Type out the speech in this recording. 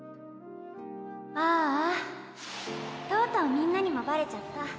あぁあとうとうみんなにもバレちゃった。